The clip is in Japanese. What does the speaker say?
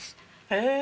へえ。